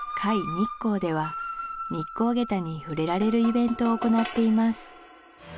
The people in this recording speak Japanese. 日光では日光下駄に触れられるイベントを行っています